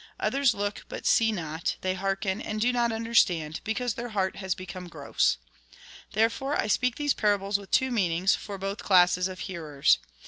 Others look, but see not ; they hearken, and do not understand, because their heart has become gross. Therefore I speak these parables with two meanings, for both classes of hearers.